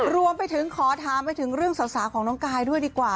รวมไปถึงขอถามไปถึงเรื่องสาวของน้องกายด้วยดีกว่า